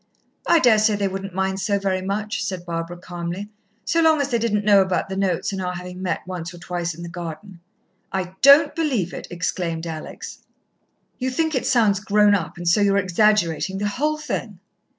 "I daresay they wouldn't mind so very much," said Barbara calmly, "so long as they didn't know about the notes and our having met once or twice in the garden." "I don't believe it!" exclaimed Alex. "You think it sounds grown up, and so you're exaggerating the whole thing."